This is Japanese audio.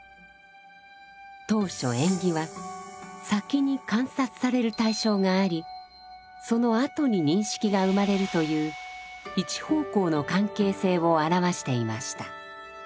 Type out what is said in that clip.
当初縁起は先に観察される対象がありそのあとに認識が生まれるという一方向の関係性を表していました。